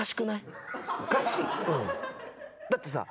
だってさ。